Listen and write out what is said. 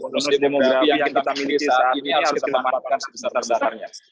kontribus demografi yang kita miliki saat ini harus dilamparkan sebesar besarnya